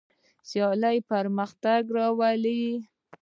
سیالي پرمختګ راولي.